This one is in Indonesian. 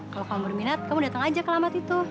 kalau kamu berminat kamu datang aja ke alamat itu